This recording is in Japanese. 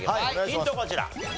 ヒントこちら。